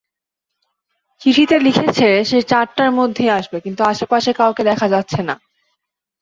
চিঠিতে লিখেছে সে চারটার মধ্যেই আসবে, কিন্তু আশেপাশে কাউকে দেখা যাচ্ছে না।